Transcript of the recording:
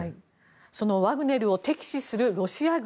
そのワグネルを敵視するロシア軍。